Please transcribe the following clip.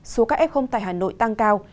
số ca f tại hà nội tăng cao